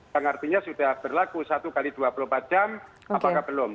yang artinya sudah berlaku satu x dua puluh empat jam apakah belum